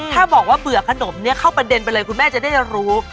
ถ้าบอกว่าเบื่อขนมเนี่ยเข้าประเด็นไปเลยคุณแม่จะได้รู้